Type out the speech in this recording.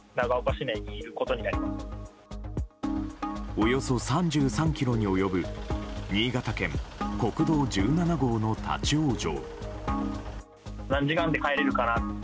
およそ３３ｋｍに及ぶ新潟県国道１７号の立ち往生。